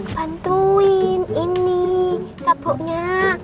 bantuin ini sabuknya